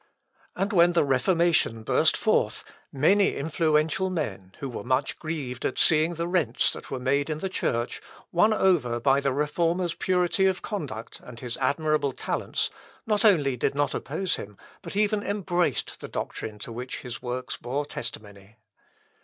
And when the Reformation burst forth many influential men, who were much grieved at seeing the rents that were made in the Church, won over by the Reformer's purity of conduct, and his admirable talents, not only did not oppose him, but even embraced the doctrine to which his works bore testimony.